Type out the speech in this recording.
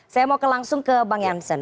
saya mau langsung ke bang jansen